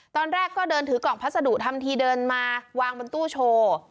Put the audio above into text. ตอนแรกก็เดินถือกล่องพัสดุทำทีเดินมาวางบนตู้โชว์